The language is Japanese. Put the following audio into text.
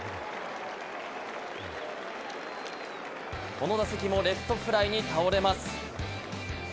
この打席もレフトフライに倒れます。